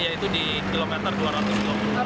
yaitu di kilometer dua ratus dua puluh